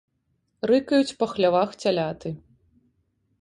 Рыкаюць па хлявах цяляты.